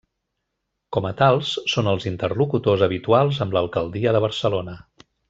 Com a tals, són els interlocutors habituals amb l'alcaldia de Barcelona.